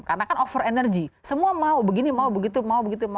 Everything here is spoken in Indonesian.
karena kan over energy semua mau begini mau begitu mau begitu mau